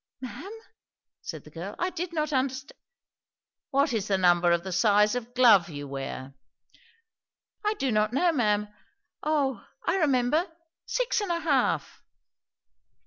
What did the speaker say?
"Ma'am?" said the girl "I did not understand " "What is the number of the size of glove you wear?" "I do not know, ma'am O, I remember! six and a half."